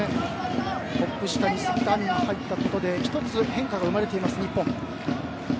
トップ下に杉田亜未が入ったことで変化が生まれている日本。